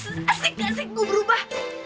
yes asik asik gue berubah